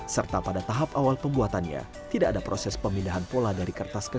serta pada tahap awal pembuatannya tidak ada proses pemindahan pola dari kertas ke